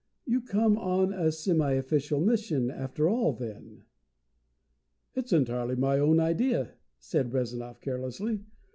"You come on a semi official mission, after all, then?" "It is entirely my own idea," said Rezanov carelessly.